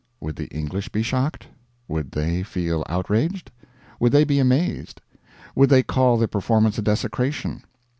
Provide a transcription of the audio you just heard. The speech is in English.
Would the English be shocked? Would they feel outraged? Would they be amazed? Would they call the performance a desecration?